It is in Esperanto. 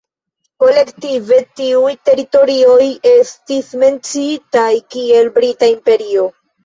Kolektive, tiuj teritorioj estis menciitaj kiel Brita imperio.